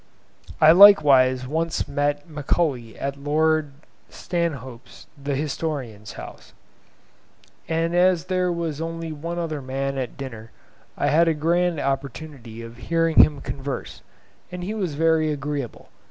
I likewise once met Macaulay at Lord Stanhope's (the historian's) house, and as there was only one other man at dinner, I had a grand opportunity of hearing him converse, and he was very agreeable.